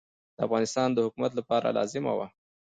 د افغانستان د حکومت لپاره لازمه وه.